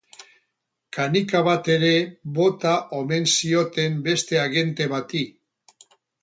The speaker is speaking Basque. Kanika bat ere bota omen zioten beste agente bati.